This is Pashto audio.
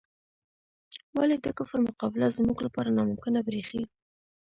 ولې د کفر مقابله زموږ لپاره ناممکنه بریښي؟